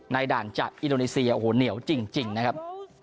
ด่านจากอินโดนีเซียโอ้โหเหนียวจริงนะครับ